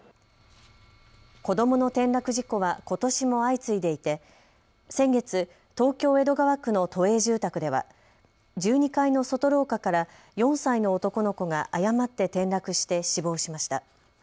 子どもの転落事故はことしも相次いでいて先月、東京江戸川区の都営住宅では１２階の外廊下から４歳の男の子が誤って転落して死亡しました。